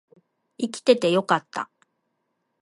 生きててよかった